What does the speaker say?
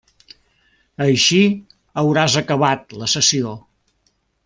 Així hauràs acabat la sessió.